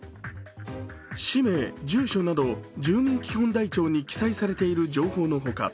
氏名、住所など住民基本台帳に記載された情報の他